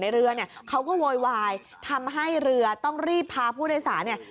เรือเนี่ยเขาก็โวยวายทำให้เรือต้องรีบพาผู้โดยสารเนี่ย